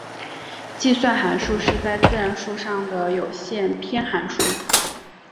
计算函数是在自然数上的有限偏函数。